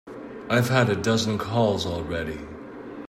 I've had a dozen calls already.